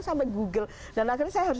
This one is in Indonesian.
sampai google dan akhirnya saya harus